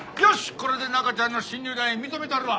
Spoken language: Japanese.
これで中ちゃんの新入団員認めたるわ。